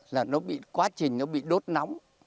là nó bị quá trình nó bị đốt nóng